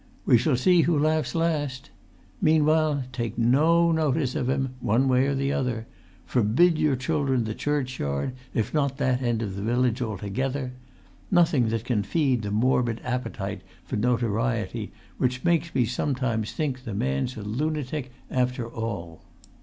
We shall see who laughs last! Meanwhile, take no notice of him, one way or the other; forbid your children the[Pg 203] churchyard, if not that end of the village altogether; nothing that can feed the morbid appetite for notoriety which makes me sometimes think the man's a lunatic after all.